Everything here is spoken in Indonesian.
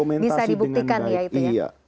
bisa dibuktikan ya itu ya